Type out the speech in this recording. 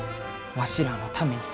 わしらのために。